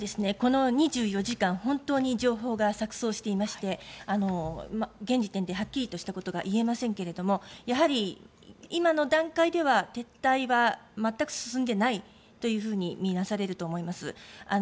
この２４時間本当に情報が錯そうしていまして現時点ではっきりとしたことが言えませんけれどやはり今の段階では撤退は全く進んでいないと見なされると思います。